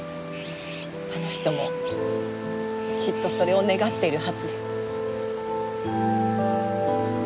あの人もきっとそれを願っているはずです。